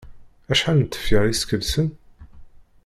Acḥal n tefyar i skelsen?